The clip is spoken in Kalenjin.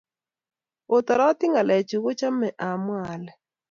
Otoroti ngalalenyu ko kochomei amwa ale